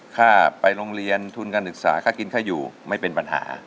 ค่าไปโรงเรียนทุนการศึกษาค่ากินค่าอยู่ไม่เป็นปัญหา